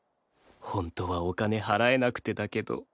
ホントはお金払えなくてだけど